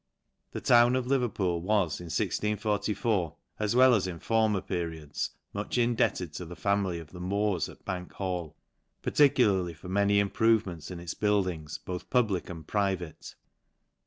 The town of Leverpool wa c , in 1644, as well as in former periods, much indebted to the family of the Mores, at Bank Hall, particularly for many im provements in its buildings both public and private.